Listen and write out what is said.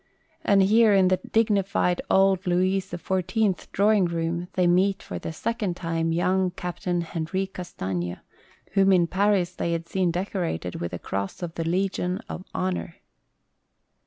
And here in the dignified old Louis XIV drawing room they meet for the second time young Captain Henri Castaigne, whom in Paris they had seen decorated with the Cross of the Legion of Honor.